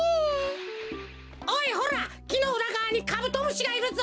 おいほらきのうらがわにカブトムシがいるぞ！